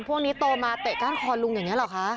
พวกนี้โตมาเตะก้านคอลุงอย่างนี้หรอคะ